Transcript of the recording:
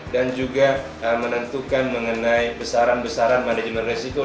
dan juga menentukan mengenai besaran besaran manajemen risiko